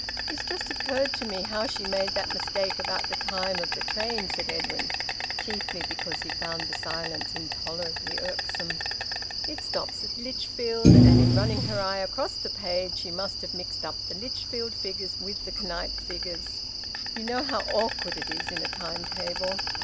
"It's just occurred to me how she made that mistake about the time of the train," said Edwin, chiefly because he found the silence intolerably irksome. "It stops at Lichfield, and in running her eye across the page she must have mixed up the Lichfield figures with the Knype figures you know how awkward it is in a time table.